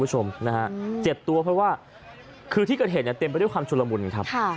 เจ็บตัวเพราะว่าคือที่เกิดเห็นเนี่ยเต็มไปด้วยความชุลมุนครับ